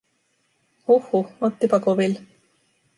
Huh, huh, ottipa koville.